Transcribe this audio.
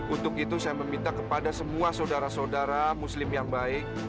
untuk itu saya meminta kepada semua saudara saudara muslim yang baik